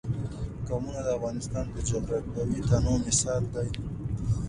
قومونه د افغانستان د جغرافیوي تنوع مثال دی.